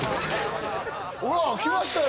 ほら来ましたよ